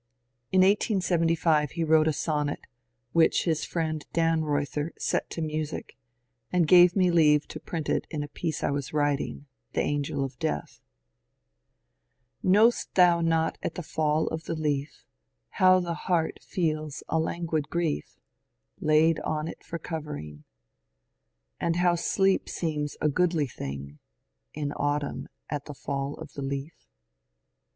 In 1875 he wrote a sonnet, which his friend Dannreuther set to music, and gave me leave to print it in a piece I was writing Q^ The Angel of Death") Know'st thoa not at the fall of the leaf How the heart feels a languid grief, Laid on it for covering ; And how sleep seems a goodly thing, In Autumn at the fall of tiie leaf